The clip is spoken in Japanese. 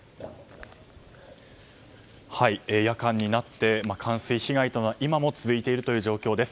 夜間になっても冠水被害が今も続いているという状況です。